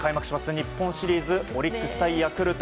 日本シリーズオリックス対ヤクルト。